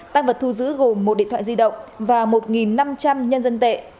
tăng vật thu giữ gồm một điện thoại di động và một năm trăm linh nhân dân tệ